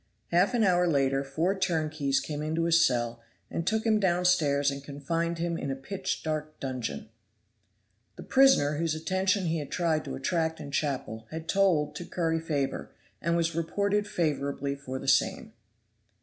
Half an hour later four turnkeys came into his cell, and took him down stairs and confined him in a pitch dark dungeon. The prisoner whose attention he had tried to attract in chapel had told to curry favor, and was reported favorably for the same.